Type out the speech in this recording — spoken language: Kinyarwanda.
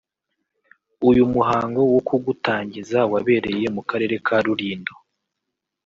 uyu muhango wo kugutangiza wabereye mu Karere ka Rulindo